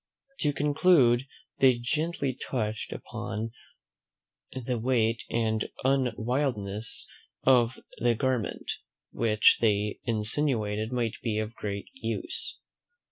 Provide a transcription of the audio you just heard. To conclude, they gently touched upon the weight and unwieldiness of the garment, which they insinuated might be of great use.